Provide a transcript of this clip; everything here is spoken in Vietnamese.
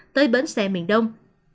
tới bến xe biển đông